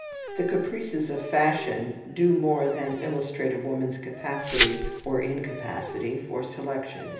The caprices of fashion do more than illustrate a woman's capacity or incapacity for selection.